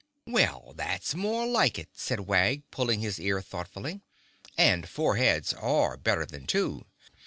"Well, that's more like," said Wag, pulling his ear thoughtfully. "And four heads are better than two!"